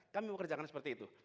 kami mau kerjakan seperti itu